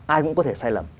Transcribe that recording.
ai cũng có thể sai lầm